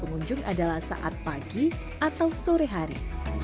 pengunjung adalah saat pagi atau sore hari